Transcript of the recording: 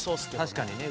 確かにね。